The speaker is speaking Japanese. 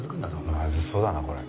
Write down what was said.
まずそうだなこれ。